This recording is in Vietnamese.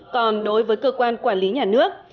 còn đối với cơ quan quản lý nhà nước